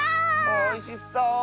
おいしそう！